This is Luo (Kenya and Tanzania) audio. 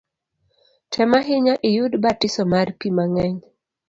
Tem ahinya iyud batiso mar pi mang’eny